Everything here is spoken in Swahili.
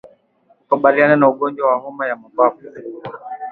Kukabiliana na ugonjwa wa homa ya mapafu